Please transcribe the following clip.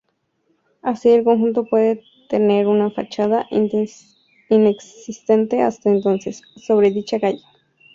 Así, el conjunto pudo tener una fachada, inexistente hasta entonces, sobre dicha calle.